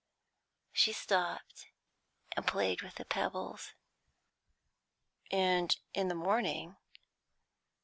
She stopped, and played with the pebbles. "And in the morning?"